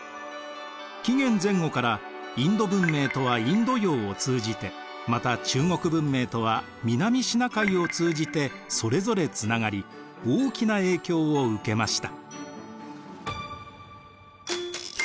紀元前後からインド文明とはインド洋を通じてまた中国文明とは南シナ海を通じてそれぞれつながり大きな影響を受けました。